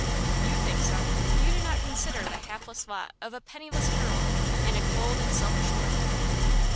"You think so. You do not consider the hapless lot of a penniless girl in a cold and selfish world."